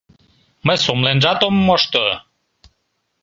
— Мый сомленжат ом мошто...